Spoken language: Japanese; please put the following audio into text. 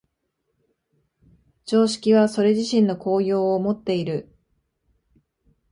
常識はそれ自身の効用をもっている。